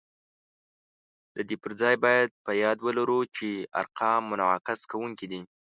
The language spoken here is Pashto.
د دې پر ځای باید په یاد ولرو چې ارقام منعکس کوونکي دي